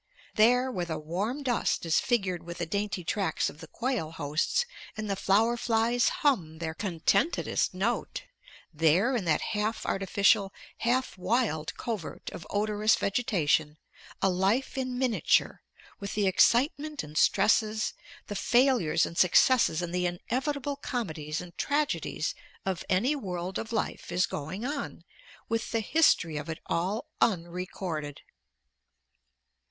There where the warm dust is figured with the dainty tracks of the quail hosts and the flower flies hum their contentedest note; there in that half artificial, half wild covert of odorous vegetation, a life in miniature, with the excitement and stresses, the failures and successes and the inevitable comedies and tragedies of any world of life is going on, with the history of it all unrecorded.